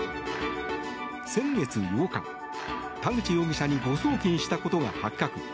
先月８日、田口容疑者に誤送金したことが発覚。